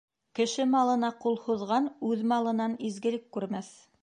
Кеше малына ҡул һуҙған үҙ малынан изгелек күрмәҫ.